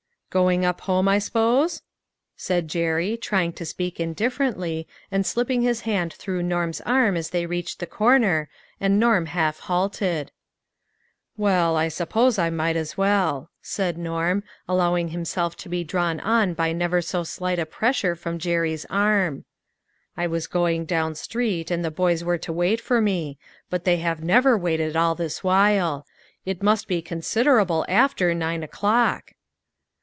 " Going up home, I s'pose ?" said Jerry, try ing to speak indifferently, and slipping his hand through Norm's arm as they reached the corner, and Norm half halted. "Well, I suppose I might as well," Norm said, allowing himself to be drawn on by never BO slight a pressure from Jerry's arm. " I was going down street, and the boys were to wait for me ; but they have never waited all this while ; it must be considerable after nine o'clock."